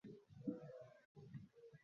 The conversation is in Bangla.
ফলে একজন লোকও বেঁচে থাকতে পারেনি।